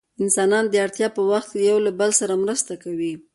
انسانان د اړتیا په وخت کې له یو بل سره مرسته کوي.